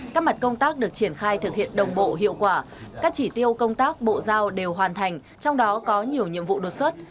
các mặt công tác được triển khai thực hiện đồng bộ hiệu quả các chỉ tiêu công tác bộ giao đều hoàn thành trong đó có nhiều nhiệm vụ đột xuất